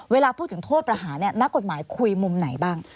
เวลาพูดถึงโทษประหารนักกฎหมายคุยมุมไหนบ้าง